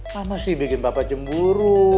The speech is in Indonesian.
mama sih bikin bapak cemburu